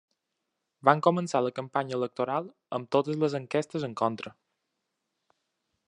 Van començar la campanya electoral amb totes les enquestes en contra.